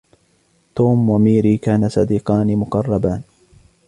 توم وميري كانا صديقان مقربان.